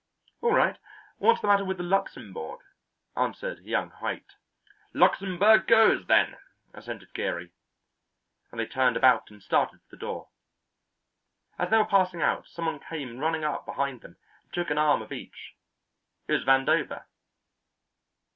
"All right. What's the matter with the Luxembourg?" answered young Haight. "Luxembourg goes, then," assented Geary, and they turned about and started for the door. As they were passing out some one came running up behind them and took an arm of each: it was Vandover.